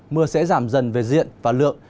mưa sẽ giảm dần về diện và lượng